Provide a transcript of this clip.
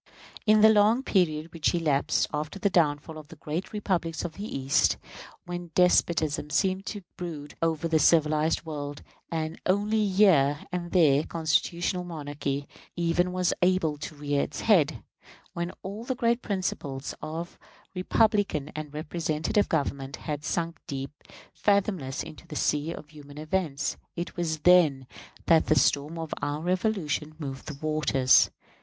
In the long period which elapsed after the downfall of the great republics of the East, when despotism seemed to brood over the civilized world, and only here and there constitutional monarchy even was able to rear its head when all the great principles of republican and representative government had sunk deep, fathomless, into the sea of human events it was then that the storm of our Revolution moved the waters.